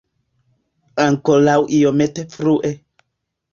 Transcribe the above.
Ankoraŭ iomete frue.